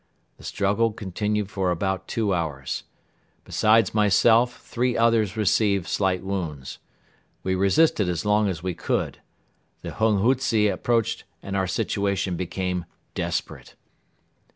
The struggle continued for about two hours. Besides myself three others received slight wounds. We resisted as long as we could. The hunghutze approached and our situation became desperate.